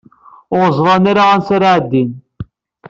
Ur ẓṛan ara ansa ara ɛeddin.